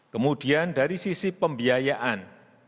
kemudian dari sisi pembiayaan